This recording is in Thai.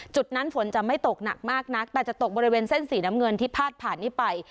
จุดนั้นฝนจะไม่ตกหนักมากนักแต่จะตกบริเวณเส้นสีน้ำเงินที่พาดผ่านนี้ไป